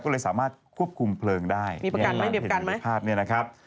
ก็เลยสามารถควบคุมเพลิงได้มีประกันไหมมีประกันไหมภาพเนี่ยนะครับ